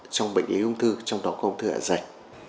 trong bệnh lý ung thư trong đó có ung thư dạ dày